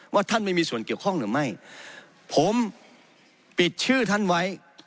ท่านไม่มีส่วนเกี่ยวข้องหรือไม่ผมปิดชื่อท่านไว้